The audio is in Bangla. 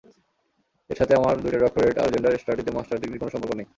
এর সাথে আমার দুইটা ডক্টরেট আর জেন্ডার স্টাডিজে মার্স্টার্স ডিগ্রির কোনো সম্পর্ক নেই।